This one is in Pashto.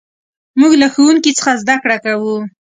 موږ له ښوونکي څخه زدهکړه کوو.